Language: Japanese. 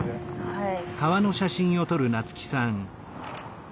はい。